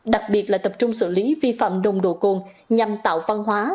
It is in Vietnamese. đặc biệt là tập trung xử lý vi phạm đồng độ cồn nhằm tạo văn hóa